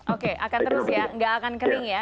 oke akan terus ya nggak akan kering ya